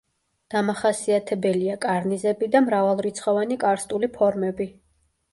დამახასიათებელია კარნიზები და მრავალრიცხოვანი კარსტული ფორმები.